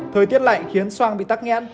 thời tiết lạnh khiến soang bị tắc nghén